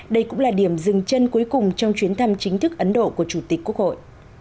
đây cũng là điểm dừng chân cuối cùng trong chuyến thăm chính thức ấn độ của chủ tịch quốc hội